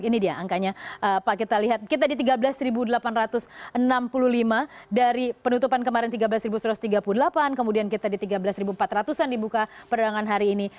ini dia angkanya pak kita lihat kita di tiga belas delapan ratus enam puluh lima dari penutupan kemarin tiga belas satu ratus tiga puluh delapan kemudian kita di tiga belas empat ratus an dibuka perdagangan hari ini